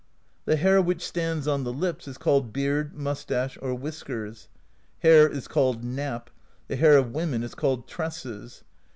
The hair which stands on the lips is called Beard, Moustache, or Whiskers. Hair is called Nap; the hair of women is called Tresses.